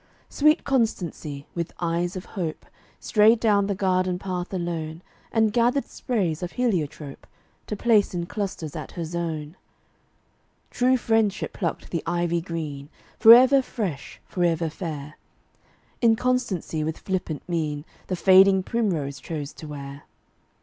Sweet Constancy, with eyes of hope, Strayed down the garden path alone And gathered sprays of heliotrope, To place in clusters at her zone. True Friendship plucked the ivy green, Forever fresh, forever fair. Inconstancy with flippant mien The fading primrose chose to wear.